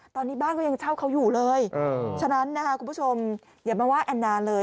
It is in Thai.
ตอนนี้บ้านก็ยังเช่าเขาอยู่เลยฉะนั้นนะคะคุณผู้ชมอย่ามาว่าแอนนาเลย